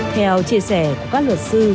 theo chia sẻ của các luật sư